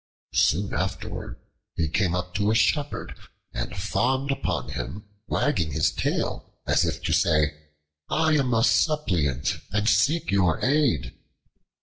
Soon afterward he came up to a Shepherd and fawned upon him, wagging his tail as if to say, "I am a suppliant, and seek your aid."